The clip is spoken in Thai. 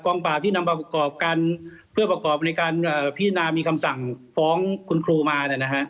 ปราบที่นำมาประกอบกันเพื่อประกอบในการพิจารณามีคำสั่งฟ้องคุณครูมา